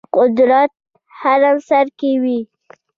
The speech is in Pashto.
قدرت هرم سر کې وي.